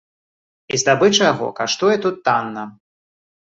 І здабыча яго каштуе тут танна.